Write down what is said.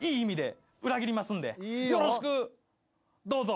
「よろしくどうぞ」